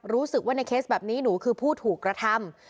รู้สึกว่าในเคสแบบนี้หนูคือผู้ถูกกระทำ